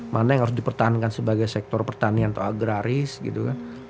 mana yang harus dipertahankan sebagai sektor pertanian atau agraris gitu kan